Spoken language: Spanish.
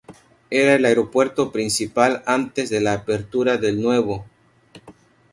Era el aeropuerto principal antes de la apertura del nuevo.